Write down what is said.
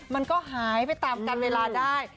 มันก็หายไปตามกันเวลาได้